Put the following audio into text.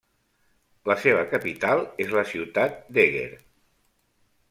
La seva capital és la ciutat d'Eger.